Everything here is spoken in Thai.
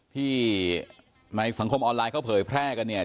ที่ในสังคมออนไลน์เขาเผยแพร่กันเนี่ย